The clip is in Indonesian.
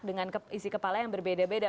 dengan isi kepala yang berbeda beda